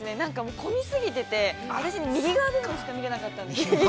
混みすぎてて、私、右側部分しか見れなかったんです。